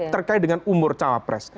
terkait dengan umur cawapres